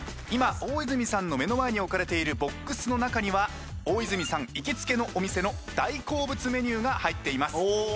今大泉さんの目の前に置かれているボックスの中には大泉さん行きつけのお店の大好物メニューが入っています。